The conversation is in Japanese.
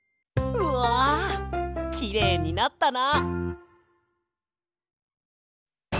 うわきれいになったな！